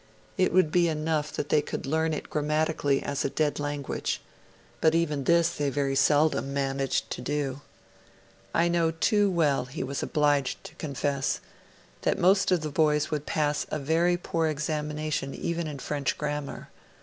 It would be enough if they could 'learn it grammatically as a dead language. But even this they very seldom managed to do. 'I know too well, [he was obliged to confess,] that most of the boys would pass a very poor examination even in French grammar.